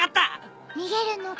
逃げるのか？